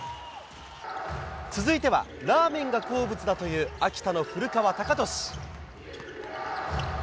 続いてはラーメンが好物だという秋田の古川孝敏。